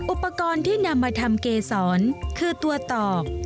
อุปกรณ์ที่นำมาทำเกษรคือตัวตอก